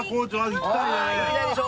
行きたいでしょ？